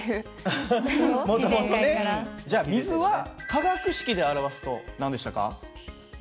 もともとね。じゃ水は化学式で表すと何でしたか？